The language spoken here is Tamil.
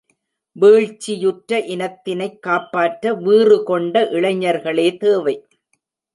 வீழ்ச்சியுற்ற இனத்தினைக் காப்பாற்ற வீறு கொண்ட இளைஞர்களே தேவை.